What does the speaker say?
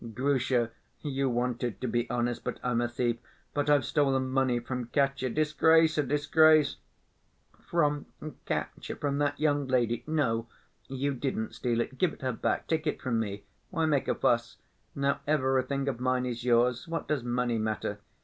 "Grusha, you wanted to be honest, but I'm a thief. But I've stolen money from Katya.... Disgrace, a disgrace!" "From Katya, from that young lady? No, you didn't steal it. Give it her back, take it from me.... Why make a fuss? Now everything of mine is yours. What does money matter?